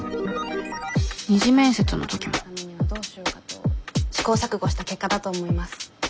二次面接の時も試行錯誤した結果だと思います。